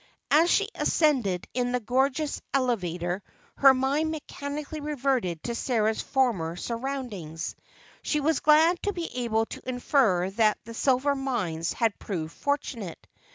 As she ascended in the gorgeous elevator, her mind mechanically reverted to Sarah's former surroundings; she was glad to be able to infer that the silver mines had proved fortunate.